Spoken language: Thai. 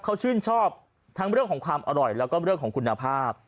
เขาชื่นชอบทั้งเรื่องของความอร่อยแล้วก็เรื่องของคุณภาพ